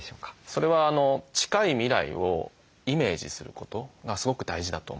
それは近い未来をイメージすることがすごく大事だと思うんです。